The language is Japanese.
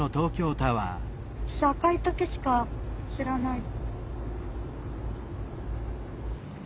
私赤い時しか知らない。